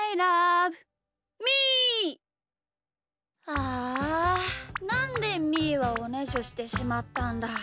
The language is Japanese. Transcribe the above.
あなんでみーはおねしょしてしまったんだ。